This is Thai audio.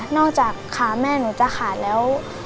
จากขาแม่หนูจะขาดแล้ว